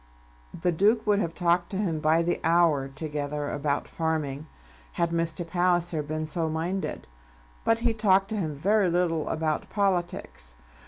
The Duke would have talked to him by the hour together about farming had Mr. Palliser been so minded; but he talked to him very little about politics.